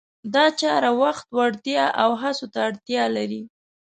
دا چاره وخت، وړتیا او هڅو ته اړتیا لري.